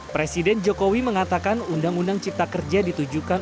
presiden jokowi mengatakan undang undang cipta kerja ditujukan